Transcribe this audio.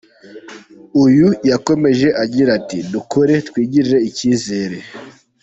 Uyu yakomeje agira ati “Dukore, twigirire icyizere.